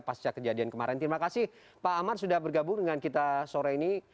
pasca kejadian kemarin terima kasih pak amar sudah bergabung dengan kita sore ini